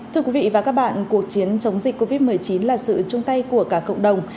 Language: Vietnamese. thưa quý vị và các bạn cuộc chiến chống dịch covid một mươi chín là sự chung tay của cả cộng đồng